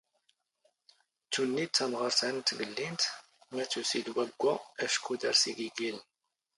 ⵜⵓⵏⵏⵉⴷ ⵜⴰⵎⵖⴰⵔⵜ ⴰⵏⵏ ⵜⴳⵍⵍⵉⵏⵜ, ⵎⴰ ⵜⵓⵙⵉ ⴷ ⵡⴰⴳⴳⵯⴰ ⴰⵛⴽⵓ ⴷⴰⵔⵙ ⵉⴳⵉⴳⵉⵍⵏ.